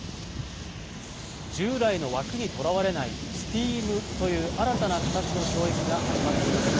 従来の枠にとらわれないＳＴＥＡＭという新たな形の教育が始まっています